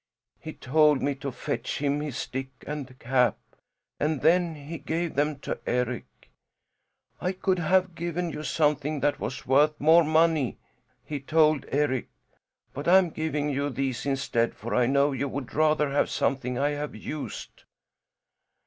He told me to fetch him his stick and cap, and then he gave them to Eric. 'I could have given you something that was worth more money,' he told Eric, 'but I am giving you these instead, for I know you would rather have something I have used.'"